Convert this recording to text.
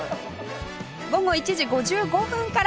午後１時５５分から！